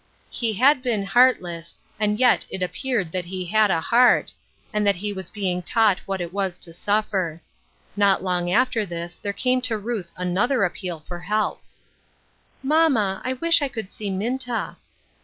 He had been heartless, and yet it appeared that he had a heart, and that he was being taught what it was to suffer. Not long after this there came to Ruth another appeal for help. " Mamma, I wish I could see Minta."